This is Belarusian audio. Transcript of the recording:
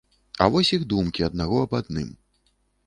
А вось іх думкі аднаго аб адным.